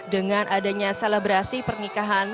dengan adanya selebrasi pernikahan